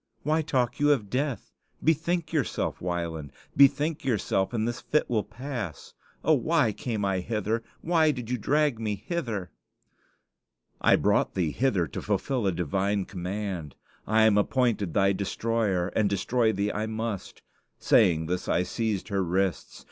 Why talk you of death? Bethink yourself, Wieland; bethink yourself, and this fit will pass. Oh, why came I hither? Why did you drag me hither?" "I brought thee hither to fulfill a divine command. I am appointed thy destroyer, and destroy thee I must." Saying this, I seized her wrists.